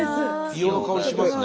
硫黄の香りしますね。